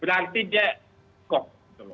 berarti dia kok